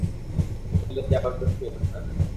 রাশেদকে ফেলে যাবার প্রশ্নই ওঠে না।